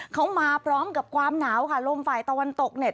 เขามาพร้อมกับความหนาวค่ะลมฝ่ายตะวันตกเนี่ย